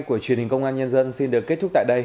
của truyền hình công an nhân dân xin được kết thúc tại đây